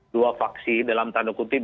dua faksi dalam tanda kutip